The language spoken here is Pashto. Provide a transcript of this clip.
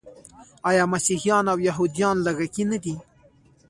آیا مسیحیان او یهودان لږکي نه دي؟